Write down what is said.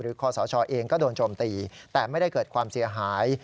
คอสชเองก็โดนโจมตีแต่ไม่ได้เกิดความเสียหาย